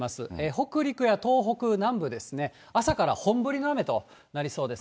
北陸や東北南部ですね、朝から本降りの雨となりそうです。